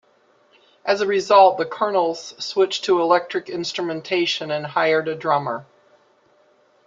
As a result, the Colonels switched to electric instrumentation and hired a drummer.